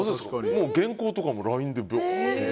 原稿とかもＬＩＮＥで。